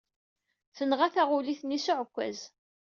Tenɣa taɣulit-nni s uɛekkaz.